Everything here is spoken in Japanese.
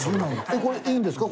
これいいんですか？